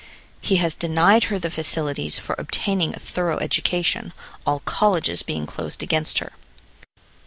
He has denied her the facilities for obtaining a thorough education, all colleges being closed against her.